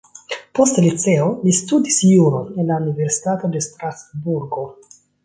Poste liceo li studis juron en la universitato de Strasburgo.